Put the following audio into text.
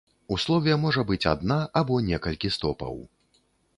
У слове можа быць адна або некалькі стопаў.